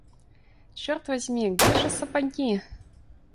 Черт возьми! где же сапоги?